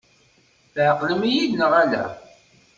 Tɛeqlem-iyi-d neɣ ala?